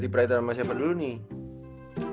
diperhatikan sama siapa dulu nih